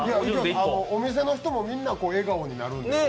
お店の人もみんな笑顔になるんです。